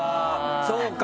そうか！